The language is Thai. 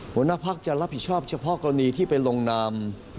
หัวหน้าพักจะรับผิดชอบเฉพาะกรณีที่ไปลงนาม